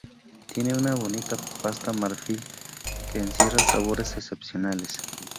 Tiene una bonita pasta marfil que encierra sabores excepcionales.